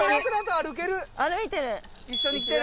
歩いてる。